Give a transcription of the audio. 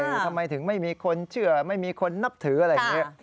ทำไมถึงไม่มีคนเชื่อไม่มีคนนับถืออะไรอย่างนี้